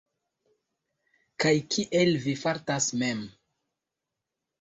Kaj kiel vi fartas mem?